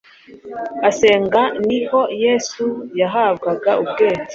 asenga ni ho Yesu yahabwaga ubwenge